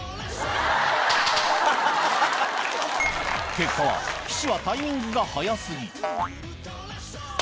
結果は岸はタイミングが早過ぎ